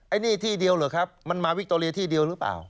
อันนี้ที่เดียวเหรอครับมันมาวิคโตเรียที่เดียวหรือเปล่า